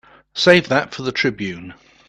Save that for the Tribune.